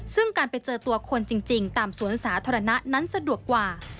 ซึ่งการไปเจอตัวคนจริงตามสวนสาธารณะนั้นสะดวกกว่า